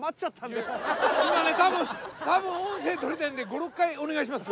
今ね多分多分音声とれてるので５６回お願いします